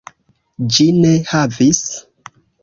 Ĝi ne havis.